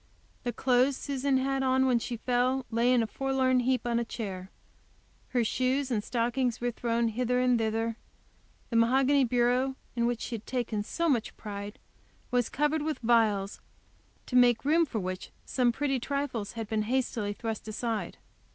The clothes Susan had on when she fell lay in a forlorn heap on a chair; her shoes and stockings were thrown hither and thither; the mahogany bureau, in which she had taken so much pride, was covered with vials, to make room for which some pretty trifles had been hastily thrust aside.